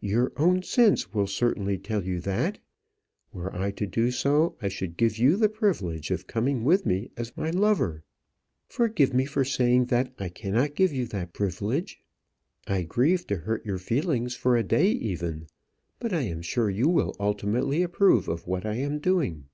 Your own sense will certainly tell you that. Were I to do so, I should give you the privilege of coming with me as my lover. Forgive me for saying that I cannot give you that privilege. I grieve to hurt your feelings for a day even; but I am sure you will ultimately approve of what I am doing."